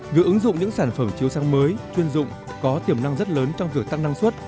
việc ứng dụng những sản phẩm chiếu sáng mới chuyên dụng có tiềm năng rất lớn trong việc tăng năng suất